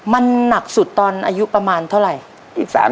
มันหนักสุดตอนอายุประมาณเท่าไหร่